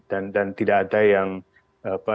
dan tidak ada yang dirugikan